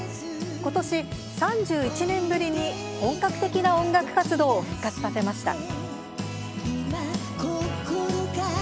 ことし、３１年ぶりに本格的な音楽活動を復活させました。